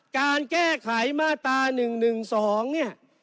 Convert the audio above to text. การแก้ไขมาตรา๑๑๒เนี่ย